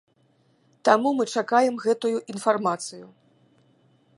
Таму мы чакаем гэтую інфармацыю.